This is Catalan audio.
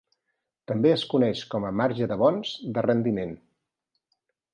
També es coneix com a marge de bons de rendiment.